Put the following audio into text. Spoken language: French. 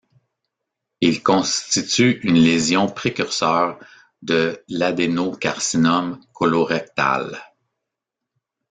Il constitue une lésion précurseur de l'adénocarcinome colorectal.